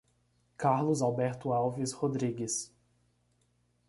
Carlos Alberto Alves Rodrigues